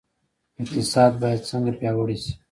اقتصاد باید څنګه پیاوړی شي؟